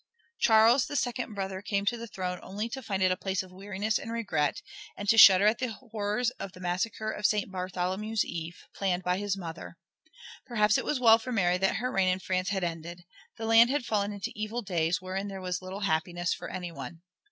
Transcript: Charles, the second brother, came to the throne, only to find it a place of weariness and regret, and to shudder at the horrors of the Massacre of St. Bartholomew's Eve, planned by his mother. Perhaps it was as well for Mary that her reign in France had ended. The land had fallen into evil days, wherein there was little happiness for any one.